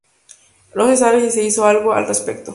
No se sabe si se hizo algo al respecto.